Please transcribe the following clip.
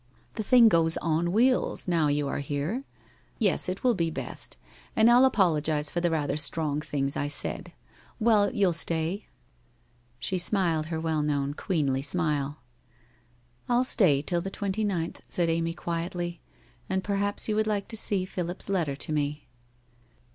The thing goes on wheels now you are here. Yes, it will be best. And I'll apologize for the rather strong things I said. Well, you'll stay ?' She smiled her well known queenly smile. * I'll stay till the twenty ninth,' said Amy quietly, * and perhaps you would like to see Philip's letter to me.'